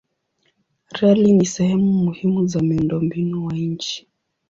Reli ni sehemu muhimu za miundombinu wa nchi.